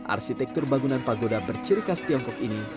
arsitektur bangunan pagoda bercirikas tiongkok ini